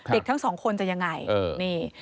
เด็กทั้งสองคนจะยังไงนี่